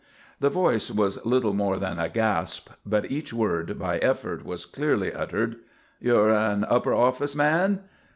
The voice was little more than a gasp, but each word by effort was clearly uttered. "You're an upper office man?"